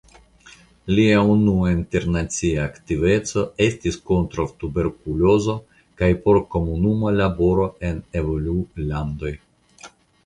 Lia unua internacia aktiveco estis kontraŭ tuberkulozo kaj por komunuma laboro en evolulandoj.